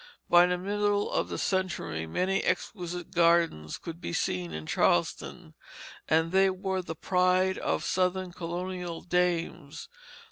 By the middle of the century many exquisite gardens could be seen in Charleston, and they were the pride of Southern colonial dames.